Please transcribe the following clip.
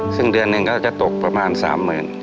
ซึ่งเดือนหนึ่งก็จะตกประมาณสามหมื่น